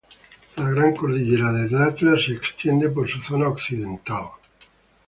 La gran cordillera del Atlas se extiende por su zona occidental.